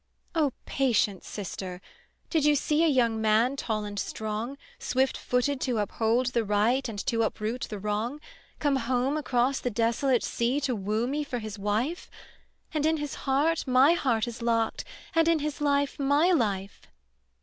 "O patience, sister. Did you see A young man tall and strong, Swift footed to uphold the right And to uproot the wrong, Come home across the desolate sea To woo me for his wife? And in his heart my heart is locked, And in his life my life."